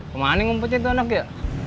kemana ngumpulnya itu anaknya